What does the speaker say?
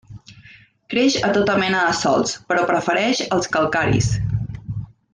Creix a tota mena de sòls, però prefereix els calcaris.